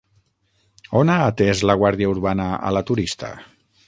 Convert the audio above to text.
On ha atès la Guàrdia Urbana a la turista?